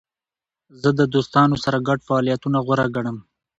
زه د دوستانو سره ګډ فعالیتونه غوره ګڼم.